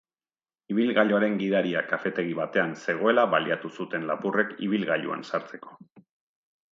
Ibilgailuaren gidaria kafetegi batean zegoela baliatu zuten lapurrek ibilgailuan sartzeko.